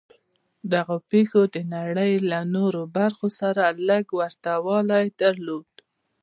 دغو پېښو د نړۍ نورو برخو سره لږ ورته والی درلود